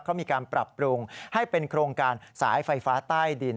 เขามีการปรับปรุงให้เป็นโครงการสายไฟฟ้าใต้ดิน